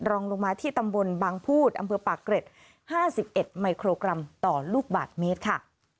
รองลงมาที่ตำบลบางพูดอำเภอปากเกร็ด๕๑มิโครกรัมต่อลูกบาทเมตรค่ะ